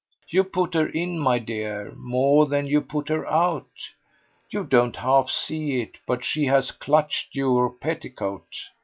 You put her in, my dear, more than you put her out. You don't half see it, but she has clutched your petticoat.